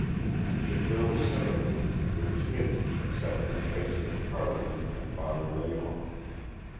If there was sympathy, it was hidden except in the faces of Cardigan and Father Layonne.